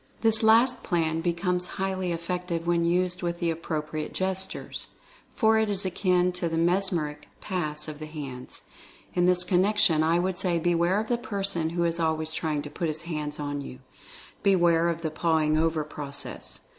This last plan becomes highly effective when used with the appropriate gestures, for it is akin to the mesmeric "pass" of the hands. In this connection I would say beware of the person who is always trying to put his hands on you — beware of the "pawing over" process.